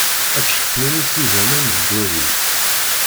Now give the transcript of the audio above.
Ad teccexmimi s yidammen d dwawi.